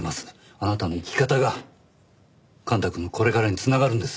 あなたの生き方が幹太くんのこれからに繋がるんです。